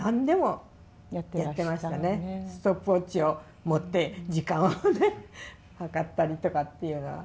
ストップウォッチを持って時間をね計ったりとかっていうのは。